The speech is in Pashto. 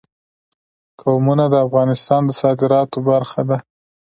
قومونه د افغانستان د صادراتو برخه ده.